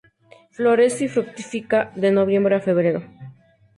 Florece y fructifica de noviembre a febrero.